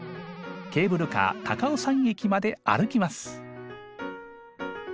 ケーブルカー高尾山駅まで歩きます。